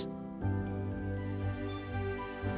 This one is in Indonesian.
yang pertama apa yang kamu inginkan